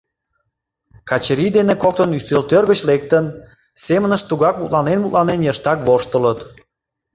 Качырий дене коктын ӱстелтӧр гыч лектын, семынышт тугак мутланен-мутланен йыштак воштылыт.